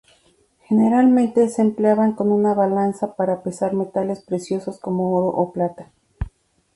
Generalmente se empleaban con una balanza para pesar metales preciosos como oro o plata.